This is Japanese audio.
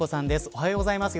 おはようございます。